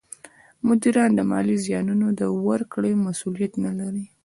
مدیران د مالي زیانونو د ورکړې مسولیت نه لري.